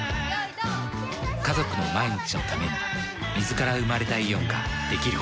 家族の毎日のために水から生まれたイオンができること。